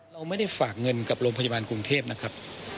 เราไม่ได้ฝากเงินกับโรงพยาบาลกรุงเทพนะครับ